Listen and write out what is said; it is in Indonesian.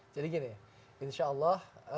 jadi gini insya allah